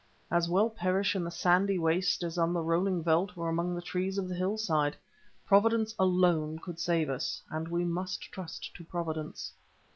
As well perish in the sandy waste as on the rolling veldt or among the trees of the hill side. Providence alone could save us, and we must trust to Providence.